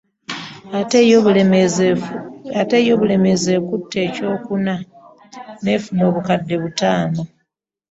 Ate yo Bulemeezi ekutte ekyokuna n'efuna obukadde butaano